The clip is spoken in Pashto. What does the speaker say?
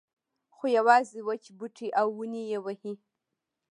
خو یوازې وچ بوټي او ونې یې وهي.